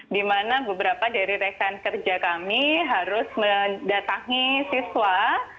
di mana beberapa dari rekan kerja kami harus mendatangi siswa